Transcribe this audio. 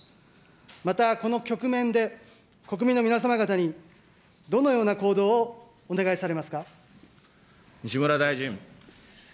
またこの局面で、国民の皆様方にどのような行動をお願いされます西村大臣。